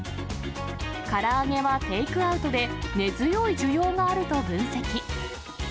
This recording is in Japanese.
から揚げはテイクアウトで根強い需要があると分析。